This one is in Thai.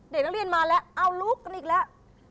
เด็กนักเรียนมาแล้วเอาลุกกันอีกแล้ว